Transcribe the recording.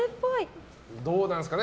どうなんですかね